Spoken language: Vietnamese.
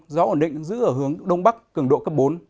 gió ổn định giữ ở hướng đông bắc cường độ cấp bốn